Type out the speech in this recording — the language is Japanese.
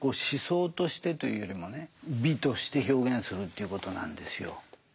思想としてというよりもね美として表現するということなんですよ。